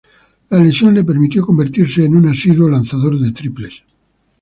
La lesión le permitió convertirse en un asiduo lanzador de triples.